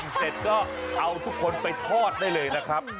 เสร็จก็เอาทุกคนไปทอดได้เลยนะครับ